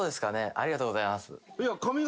ありがとうございます。